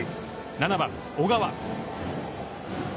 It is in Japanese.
７番小川。